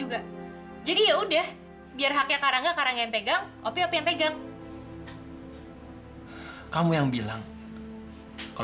kalau aku itu gak suka sama rangga